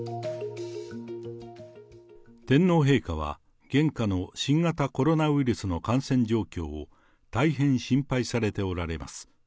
天皇陛下は、現下の新型コロナウイルスの感染状況を、大変心配されておられます。